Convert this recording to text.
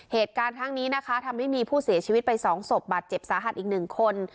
เหตุการณ์ทั้งนี้นะคะทำให้มีผู้เสียชีวิตไป๒ศพบาดเจ็บสาหัสอีก๑คน